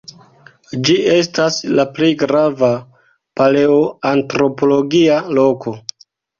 Ĝi estas la plej grava paleoantropologia loko.